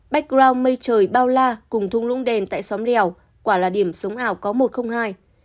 background mây trời bao la cùng thung lũng đèn tại xóm lèo quả là điểm sống ảo có một không hai